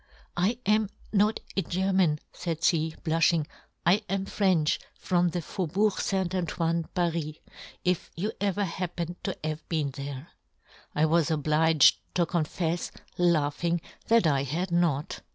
* I am not a " German,' faid fhe, blufhing, * I am " French, from the Faubourg St. " Antoine, Paris ; if you happen " ever to have been there.' I was obliged to confefs, laughing, that " I had not.